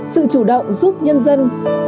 sự chủ động giúp nhân dân